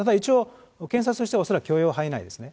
検察としては恐らく許容範囲内ですね。